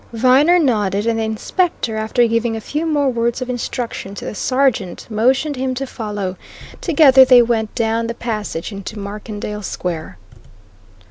Viner nodded; and the inspector, after giving a few more words of instruction to the sergeant, motioned him to follow; together they went down the passage into Markendale Square.